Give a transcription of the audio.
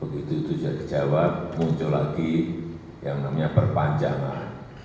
begitu itu sudah dijawab muncul lagi yang namanya perpanjangan